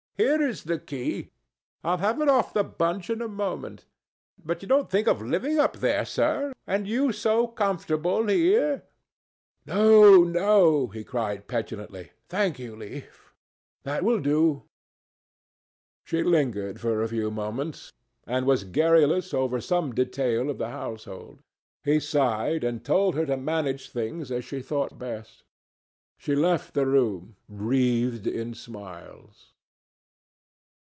"Here is the key. I'll have it off the bunch in a moment. But you don't think of living up there, sir, and you so comfortable here?" "No, no," he cried petulantly. "Thank you, Leaf. That will do." She lingered for a few moments, and was garrulous over some detail of the household. He sighed and told her to manage things as she thought best. She left the room, wreathed in smiles.